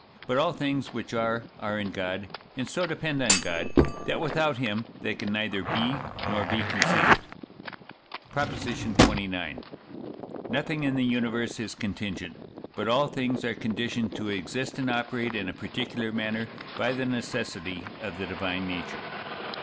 But all things which are, are in God, and so depend on God, that without him they can neither be nor be conceived. PROP. XXIX. Nothing in the universe is contingent, but all things are conditioned to exist and operate in a particular manner by the necessity of the divine nature.